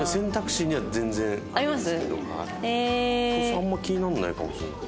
あんまり気にならないかもしれない。